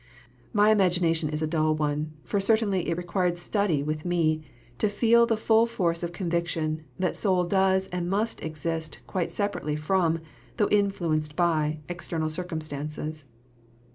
My imagination is a dull one, for it certainly required study with me to feel the full force of conviction that soul does and must exist quite separately from, though influenced by, external circumstances.